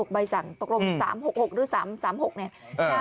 ๓๓๖ใบสั่งตกลมเป็น๓๖๖หรือ๓๖เนี่ย